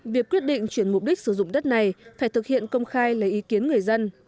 việc quyết định chuyển mục đích sử dụng đất này phải thực hiện công khai lấy ý kiến người dân